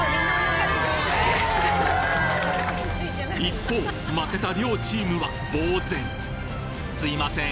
一方負けた両チームは呆然すいません。